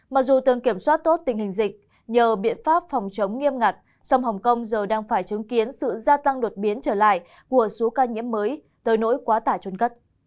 mặc dù từng kiểm soát tốt tình hình dịch nhờ biện pháp phòng chống nghiêm ngặt sông hồng kông giờ đang phải chứng kiến sự gia tăng đột biến trở lại của số ca nhiễm mới tới nỗi quá tải trôn cất